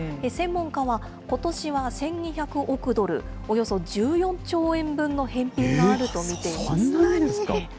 専門家は、ことしは１２００億ドル、およそ１４兆円分の返品があると見ています。